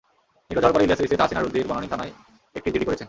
নিখোঁজ হওয়ার পরে ইলিয়াসের স্ত্রী তাহসিনা রুশদীর বনানী থানায় একটি জিডি করেছেন।